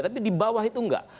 tapi di bawah itu enggak